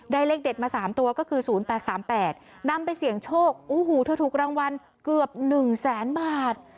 เลขเด็ดมา๓ตัวก็คือ๐๘๓๘นำไปเสี่ยงโชคโอ้โหเธอถูกรางวัลเกือบ๑แสนบาท